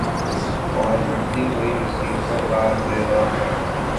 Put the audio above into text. اوربڑھتی ہوئی مصیبتوں کا گھیرا ہے۔